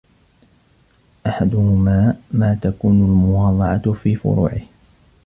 أَحَدُهُمَا مَا تَكُونُ الْمُوَاضَعَةُ فِي فُرُوعِهِ